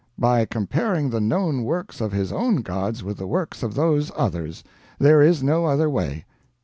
By comparing the known works of his own gods with the works of those others; there is no other way.